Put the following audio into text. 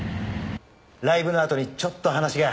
ライブのあとにちょっと話が。